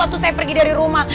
waktu saya pergi dari rumah